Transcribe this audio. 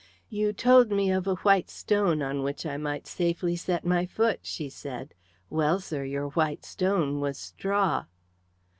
"You told me of a white stone on which I might safely set my foot," she said. "Well, sir, your white stone was straw."